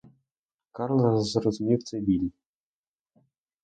Карло зрозумів цей біль.